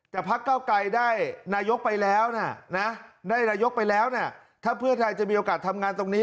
แต่พักเก้าไกรได้นายกไปแล้วนะถ้าเพื่อไทยจะมีโอกาสทำงานตรงนี้